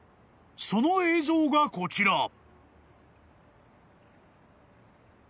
［その映像がこちら］